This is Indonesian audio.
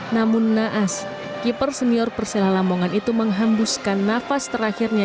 namun naas keeper senior persela lamongan itu menghembuskan nafas terakhirnya